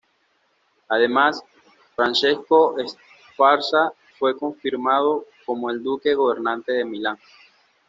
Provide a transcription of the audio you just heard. Además, Francesco Sforza fue confirmado como el duque gobernante de Milán.